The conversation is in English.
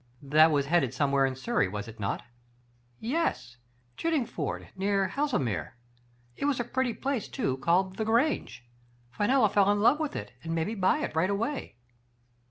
" That was headed somewhere in Surrey, was it not ?"'" Yes ; Chiddingford, near Haslemere. It was a pretty place, too, called *The Grange.' Fe nella fell in love with it, and made me buy it right away."